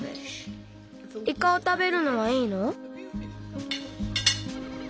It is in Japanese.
イカをたべるのはいいの？